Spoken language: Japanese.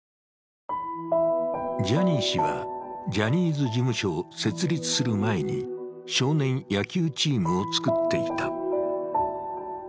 ジャニー氏はジャニーズ事務所を設立する前に少年野球チームを作っていた。